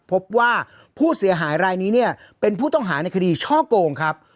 พบว่าผู้เสียหายรายนี้เนี่ยเป็นผู้ต้องหาในคดีช่อโกงครับ